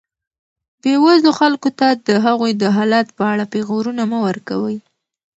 بېوزلو خلکو ته د هغوی د حالت په اړه پېغورونه مه ورکوئ.